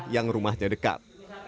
yang rumahnya dekat